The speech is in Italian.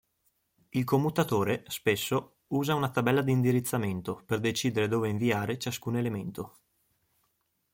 Il commutatore spesso usa una tabella di indirizzamento per decidere dove inviare ciascun elemento.